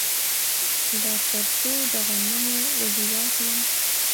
دا تر څو د غنمو وږي واخلم